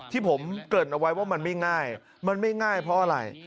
ที่ผมเกริ่นเอาไว้ว่ามันไม่ง่ายมันไม่ง่ายเพราะอะไร